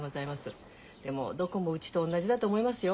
でもどこもうちと同じだと思いますよ。